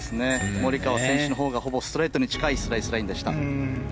モリカワ選手のほうがほぼストレートに近いスライスラインでした。